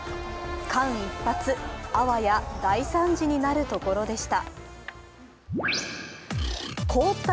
間一髪、あわや大惨事になるところでした。